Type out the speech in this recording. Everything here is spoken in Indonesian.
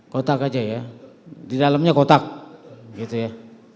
kotak aja ya di dalamnya kotak gitu ya